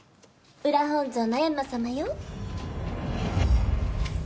裏本尊の閻魔様よ。